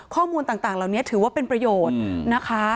ข้อมูลต่างเหล่านี้ถือว่าเป็นประโยชน์นะคะ